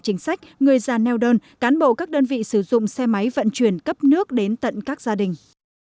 chính sách người già neo đơn cán bộ các đơn vị sử dụng xe máy vận chuyển cấp nước đến tận các gia đình